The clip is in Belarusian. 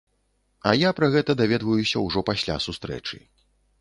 А я пра гэта даведваюся ўжо пасля сустрэчы.